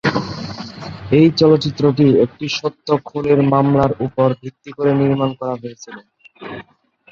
এই চলচ্চিত্রটি একটি সত্য খুনের মামলার উপর ভিত্তি করে নির্মাণ করা হয়েছিল।